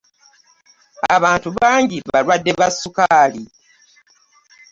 Abantu bangi balwadde ba sukaali.